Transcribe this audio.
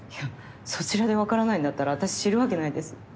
そちらでわからないんだったら私知るわけないです。